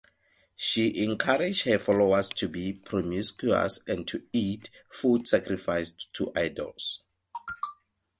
She encouraged her followers to be promiscuous and to eat food sacrificed to idols.